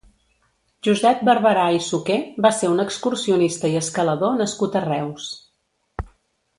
Josep Barberà i Suqué va ser un excursionista i escalador nascut a Reus.